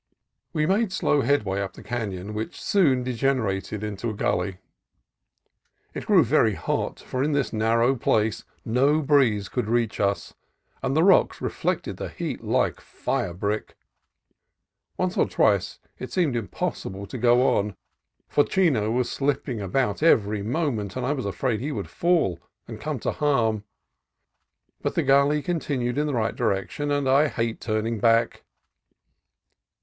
We made slow headway up the canon, which soon degenerated to a gully. It grew very hot, for in this narrow place no breeze could reach us, and the rocks reflected the heat like firebrick. Once or twice it seemed impossible to go on, for Chino was slipping about every moment, and I was afraid he would fall and come to harm. But the gully continued in the right direction, and I hate turning back.